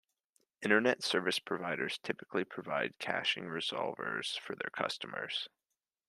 Internet service providers typically provide caching resolvers for their customers.